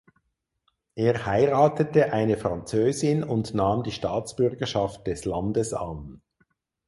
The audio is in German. Er heiratete eine Französin und nahm die Staatsbürgerschaft des Landes an.